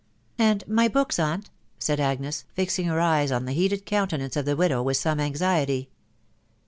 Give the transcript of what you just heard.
" And my books, aunt ?".... said Agnes, fixing her eyes on the heated countenance of the widow with some anxiety.